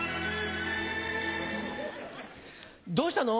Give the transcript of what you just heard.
どうしたの？